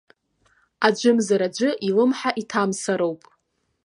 Аӡәымзар аӡәы илымҳа иҭамсыроуп.